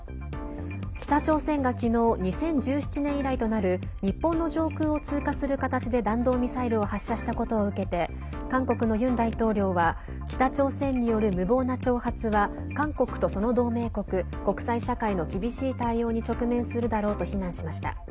北朝鮮が昨日２０１７年以来となる日本の上空を通過する形で弾道ミサイルを発射したことを受けて韓国のユン大統領は北朝鮮による無謀な挑発は韓国と、その同盟国、国際社会の厳しい対応に直面するだろうと非難しました。